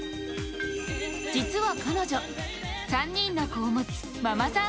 実は彼女、３人の子を持つママさん